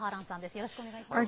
よろしくお願いします。